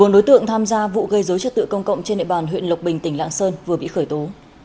một mươi bốn đối tượng tham gia vụ gây dối chất tự công cộng trên nệp bàn huyện lộc bình tỉnh lạng sơn vừa bị khởi tố